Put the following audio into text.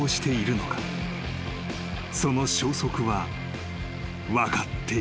［その消息は分かっていない］